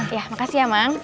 ya makasih ya mang